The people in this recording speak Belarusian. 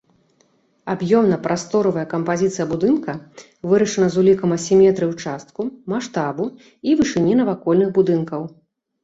Аб'ёмна-прасторавая кампазіцыя будынка вырашана з улікам асіметрыі ўчастку, маштабу і вышыні навакольных будынкаў.